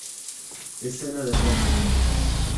Escena de rock.